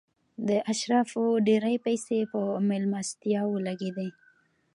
د اشرافو ډېرې پیسې په مېلمستیاوو لګېدې.